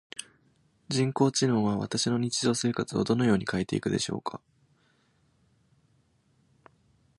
人工知能は私の日常生活をどのように変えていくのでしょうか？